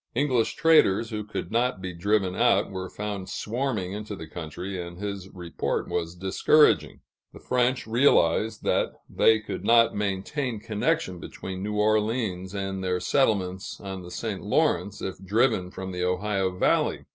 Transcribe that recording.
English traders, who could not be driven out, were found swarming into the country, and his report was discouraging. The French realized that they could not maintain connection between New Orleans and their settlements on the St. Lawrence, if driven from the Ohio valley.